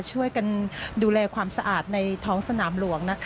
ช่วยกันดูแลความสะอาดในท้องสนามหลวง